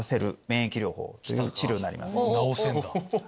治せるんだ。